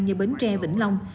như bến tre vĩnh long